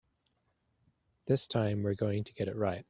This time we're going to get it right.